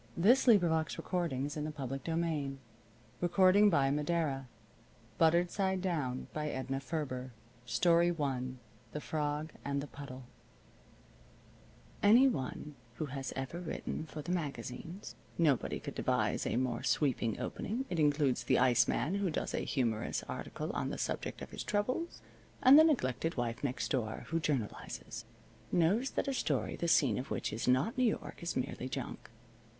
THAT HOME TOWN FEELING X. THE HOMELY HEROINE XI. SUN DRIED XII. WHERE THE CAR TURNS AT 18TH BUTTERED SIDE DOWN I THE FROG AND THE PUDDLE Any one who has ever written for the magazines (nobody could devise a more sweeping opening; it includes the iceman who does a humorous article on the subject of his troubles, and the neglected wife next door, who journalizes) knows that a story the scene of which is not New York is merely junk.